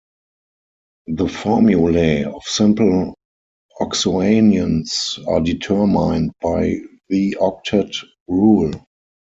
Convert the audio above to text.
The formulae of simple oxoanions are determined by the octet rule.